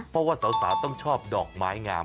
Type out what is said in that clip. เพราะว่าสาวต้องชอบดอกไม้งาม